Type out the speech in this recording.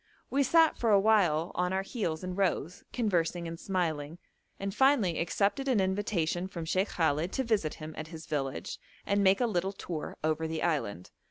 We sat for awhile on our heels in rows, conversing and smiling, and finally accepted an invitation from Sheikh Khallet to visit him at his village, and make a little tour over the island.